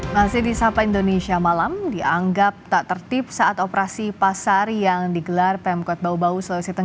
masih di sapa indonesia malam dianggap tak tertib saat operasi pasar yang digelar pemkot bau bau sulawesi tengah